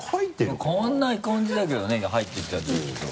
なんか変わらない感じだけどね入ってきたときと。